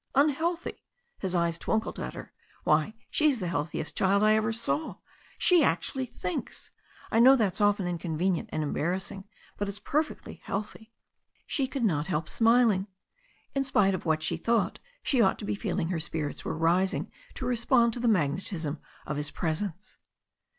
"Unhealthy I" His eyes twinkled at her. "Why, she's the healthiest child I ever saw. She actually thinks! I know that's often inconvenient and embarrassing; but it's perfectly healthy." She could not help smiling. In spite of what she thought she ought to be feeling her spirits were rising to respond to the magnetism of his presence.